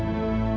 aku mau pergi